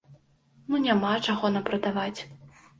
Ну няма чаго нам прадаваць.